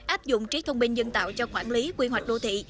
áp dụng trí thông minh nhân tạo cho quản lý quy hoạch đô thị